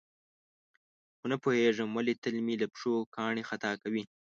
خو نه پوهېږم ولې تل مې له پښو کاڼي خطا کوي.